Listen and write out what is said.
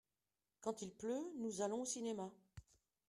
Quand il pleut nous allons au cinéma.